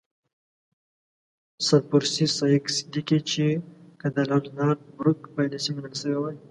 سر پرسي سایکس لیکي چې که د لارډ نارت بروک پالیسي منل شوې وای.